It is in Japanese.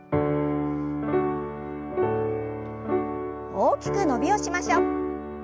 大きく伸びをしましょう。